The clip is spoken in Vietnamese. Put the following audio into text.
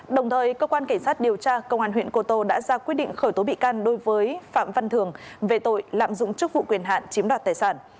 đồng thời cơ quan cảnh sát điều tra công an huyện cô tô đã ra quyết định khởi tố bị can đối với phạm văn thường về tội lạm dụng chức vụ quyền hạn chiếm đoạt tài sản